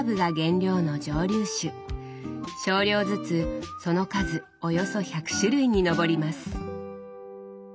少量ずつその数およそ１００種類に上ります。